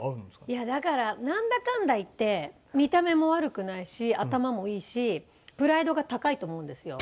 「いやだからなんだかんだ言って見た目も悪くないし頭もいいしプライドが高いと思うんですよ」